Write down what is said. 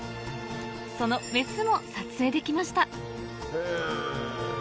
そのメスも撮影できました